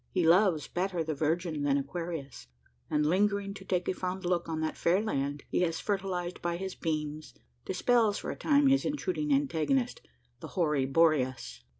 He loves better the "Virgin" than "Aquarius;" and lingering to take a fond look on that fair land he has fertilised by his beams, dispels for a time his intruding antagonist, the hoary Boreas.